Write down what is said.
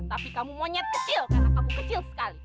tapi kamu monyet kecil karena kamu kecil sekali